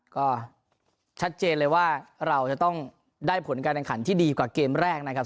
ก็ชัดเจนเลยว่าเราจะต้องได้ผลการแข่งขันที่ดีกว่าเกมแรกนะครับ